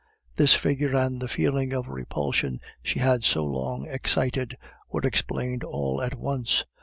This figure and the feeling of repulsion she had so long excited were explained all at once.